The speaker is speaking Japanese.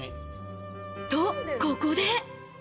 と、ここで。